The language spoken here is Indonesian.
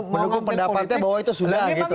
menunggu pendapatnya bahwa itu sudah gitu